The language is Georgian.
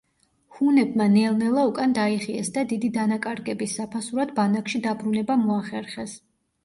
ჰუნებმა ნელ-ნელა უკან დაიხიეს და დიდი დანაკარგების საფასურად ბანაკში დაბრუნება მოახერხეს.